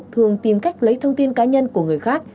thường tìm cách lấy thông tin cá nhân của người khác